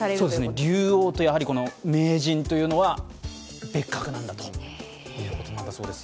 竜王と名人というのは別格だということだそうです。